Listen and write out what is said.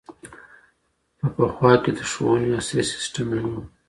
په پخوا کي د ښووني عصري سیسټم نه و.